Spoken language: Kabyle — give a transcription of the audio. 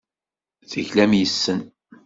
Teglam yes-sen.